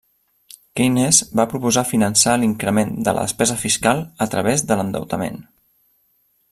Keynes va proposar finançar l'increment de la despesa fiscal a través de l'endeutament.